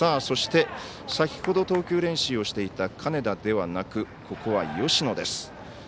そして先ほど投球練習をしていた金田ではなくここは芳野です。